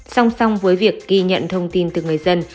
song song với việc ghi nhận thông tin từ người dân